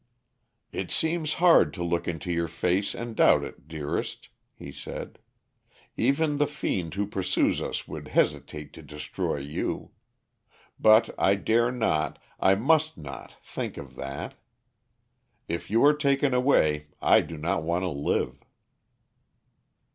"It seems hard to look into your face and doubt it, dearest," he said. "Even the fiend who pursues us would hesitate to destroy you. But I dare not, I must not, think of that. If you are taken away I do not want to live."